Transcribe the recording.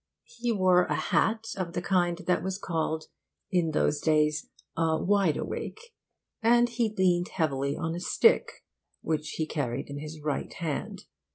He wore a hat of the kind that was called in those days a "wide awake," and he leaned heavily on a stick which he carried in his right hand.